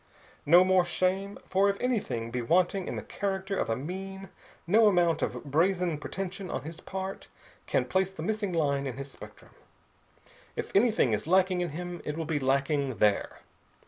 "No more shame. If anything be wanting in the character of a mean, no amount of brazen pretension on his part can place the missing line in his spectrum. If anything is lacking in him, it will be lacking there.